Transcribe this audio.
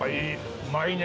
うまいねえ！